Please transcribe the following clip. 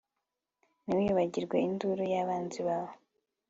ntiwibagirwe induru y'abanzi bawe